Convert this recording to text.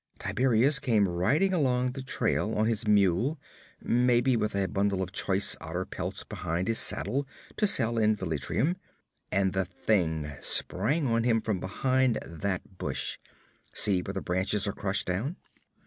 Tiberias came riding along the trail on his mule, maybe with a bundle of choice otter pelts behind his saddle to sell in Velitrium, and the thing sprang on him from behind that bush. See where the branches are crushed down.